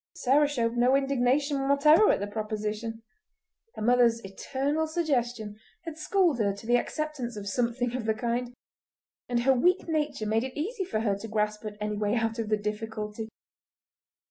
Sarah showed no indignation whatever at the proposition; her mother's eternal suggestion had schooled her to the acceptance of something of the kind, and her weak nature made it easy to her to grasp at any way out of the difficulty.